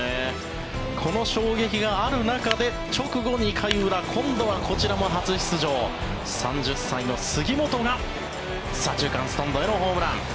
この衝撃がある中で直後、２回裏今度はこちらも初出場３０歳の杉本が左中間スタンドへのホームラン。